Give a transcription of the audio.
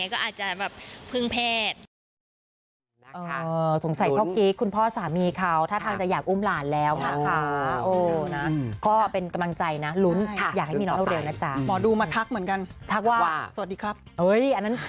ก็อาจจะแบบเพิ่งแพทย์